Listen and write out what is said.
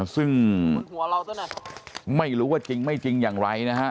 ซึ่งไม่รู้ว่าจริงไม่จริงอย่างไรนะฮะ